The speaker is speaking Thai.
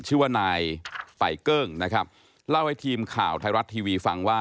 ชื่อว่านายไฟเกิ้งนะครับเล่าให้ทีมข่าวไทยรัฐทีวีฟังว่า